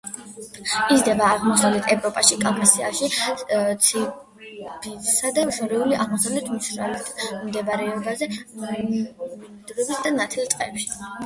იზრდება აღმოსავლეთ ევროპაში, კავკასიაში, ციმბირსა და შორეული აღმოსავლეთის მშრალ მდელოებზე, მინდვრებსა და ნათელ ტყეებში.